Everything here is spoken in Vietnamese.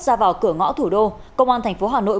ra vào cửa ngõ thủ đô công an tp hà nội